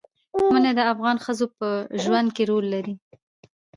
منی د افغان ښځو په ژوند کې رول لري.